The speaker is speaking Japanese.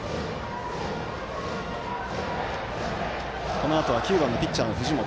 このあとは９番のピッチャー藤本。